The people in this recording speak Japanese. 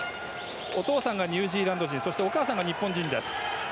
お父さんがニュージーランド人お母さんが日本人です。